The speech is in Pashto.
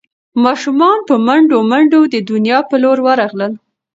ماشومان په منډو منډو د نیا په لور ورغلل.